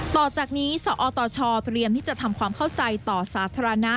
ต่อจากนี้สอตชเตรียมที่จะทำความเข้าใจต่อสาธารณะ